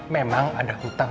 memang ada hutang